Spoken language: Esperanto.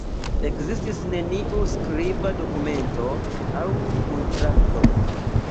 Ekzistis neniu skriba dokumento aŭ kontrakto.